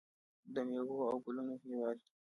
د میوو او ګلونو هیواد.